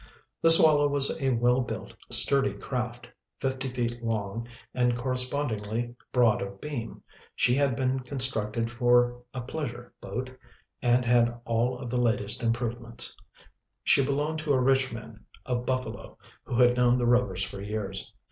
The Swallow was a well built, sturdy craft, fifty feet long and correspondingly broad of beam. She had been constructed for a pleasure boat and had all of the latest improvements. She belonged to a rich man of Buffalo, who had known the Rovers for years.